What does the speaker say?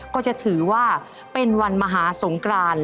ก็จะถือว่าเป็นวันมหาสงกราน